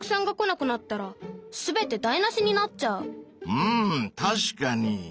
うん確かに。